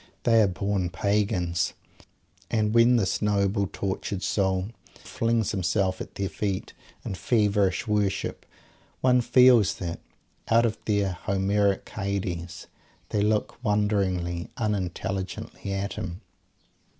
They are born Pagans; and when this noble, tortured soul flings himself at their feet in feverish worship, one feels that, out of their Homeric Hades, they look wonderingly, unintelligently, at him.